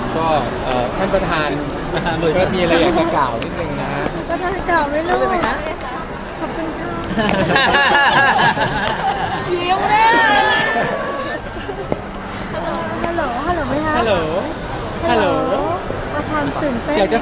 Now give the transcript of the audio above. ก็ท่านประธานก็มีอะไรอยากจะกล่าวนิดนึงนะครับ